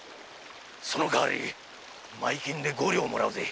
その代わり前金で五両もらうぜ。